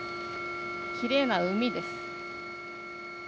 きれいな海です。